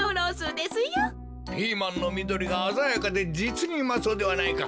ピーマンのみどりがあざやかでじつにうまそうではないか。